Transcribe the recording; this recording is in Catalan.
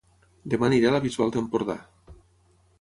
Dema aniré a La Bisbal d'Empordà